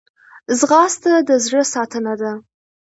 ځغاسته د زړه ساتنه ده